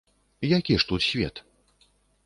Які ж тут свет?